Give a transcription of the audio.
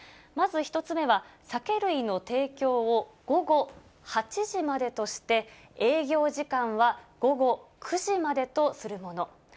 まず１つ目は、酒類の提供を午後８時までとして、営業時間は午後９時までとするもの。